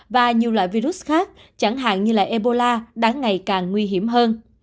và nhiều loại virus khác chẳng hạn như ebola đang ngày càng nguy hiểm hơn